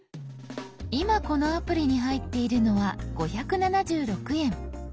今このアプリに入っているのは５７６円。